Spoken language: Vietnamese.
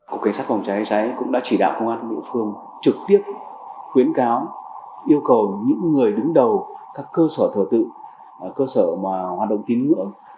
cục cảnh sát vòng trái hãy trái cũng đã chỉ đạo công an bộ phương trực tiếp khuyến cáo yêu cầu những người đứng đầu các cơ sở thờ tự cơ sở hoạt động tín ngưỡng